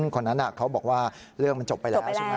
คนนั้นเขาบอกว่าเรื่องมันจบไปแล้วใช่ไหม